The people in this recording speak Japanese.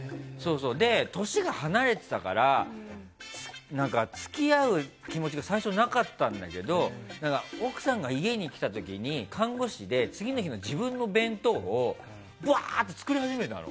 年が離れてたから付き合う気持ちが最初なかったんだけど奥さんが家に来た時に看護師で次の日の自分の弁当をばーって作り始めたの。